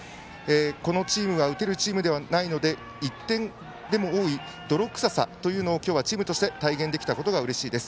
このチームは打てるチームではないので１点でも多い泥臭さというのを今日はチームとして体現できたことがうれしいです。